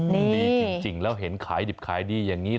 มันดีจริงแล้วเห็นขายดิบขายดีอย่างนี้